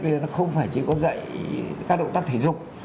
bây giờ nó không phải chỉ có dạy các động tác thể dục